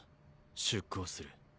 出航する。